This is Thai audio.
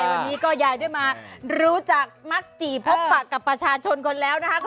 วันนี้ก็ยายได้มารู้จักมักจี่พบปะกับประชาชนคนแล้วนะคะ